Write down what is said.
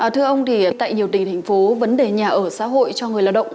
thưa ông thì tại nhiều tỉnh thành phố vấn đề nhà ở xã hội cho người lao động